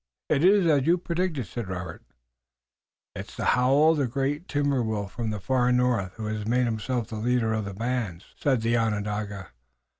"It is as you predicted," said Robert. "It is the howl of the great timber wolf from the far north who has made himself the leader of the band," said the Onondaga.